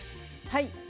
はい。